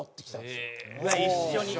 うわっ一緒に？